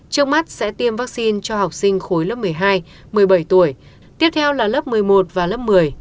trước mắt sẽ tiêm vaccine cho học sinh khối lớp một mươi hai một mươi bảy tuổi tiếp theo là lớp một mươi một và lớp một mươi